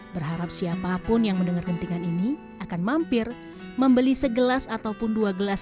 berharap siapapun yang mendengar gentingan ini akan mampir membeli segelas ataupun dua gelas